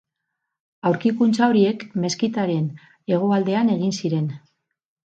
Aurkikuntza horiek meskitaren hegoaldean egin ziren.